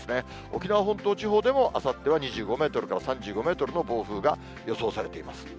沖縄本島地方でも、あさっては２５メートルから３５メートルの暴風が予想されています。